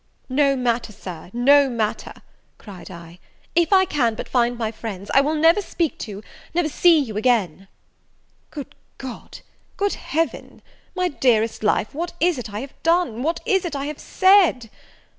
"No matter, Sir, no matter," cried I; "if I can but find my friends, I will never speak to never see you again!" "Good God! good Heaven! My dearest life, what is it I have done? what is it I have said?